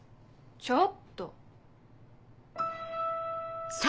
ちょっと。